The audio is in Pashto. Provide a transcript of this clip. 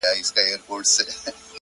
لكه برېښنا!